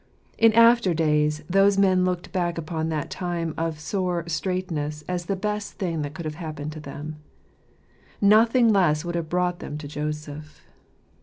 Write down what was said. In after days those men looked back upon that time of sore straitness as the best thing that could have hap pened to them : nothing less would have brought them to Joseph.